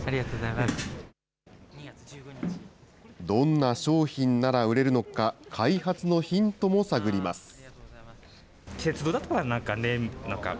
どんな商品なら売れるのか、開発のヒントも探ります。